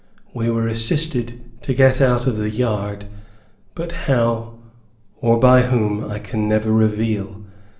We were assisted to get out of the yard, but how, or by whom, I can never reveal.